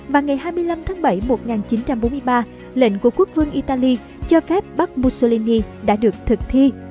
vào ngày hai mươi năm tháng bảy một nghìn chín trăm bốn mươi ba lệnh của quốc vương italy cho phép bắt mussolini đã được thực thi